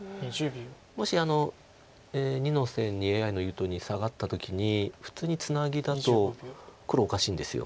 もし２の線にＡＩの言うとおりにサガった時に普通にツナギだと黒おかしいんです。